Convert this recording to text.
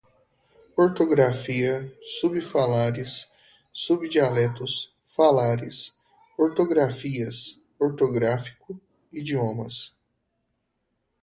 ortográfica, subfalares, subdialetos, falares, ortografias, ortográfico, idiomas